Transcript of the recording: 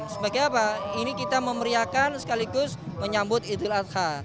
sebagai apa ini kita memeriakan sekaligus menyambut idul adha